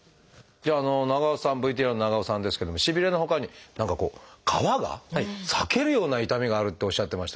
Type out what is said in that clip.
じゃあ長尾さんＶＴＲの長尾さんですけどもしびれのほかに何かこう皮が裂けるような痛みがあるっておっしゃってましたけれども。